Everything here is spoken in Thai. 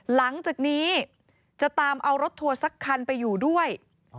หลังจากนี้จะตามเอารถทัวร์สักคันไปอยู่ด้วย